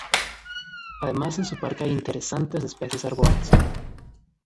Además, en su parque hay interesantes especies arbóreas.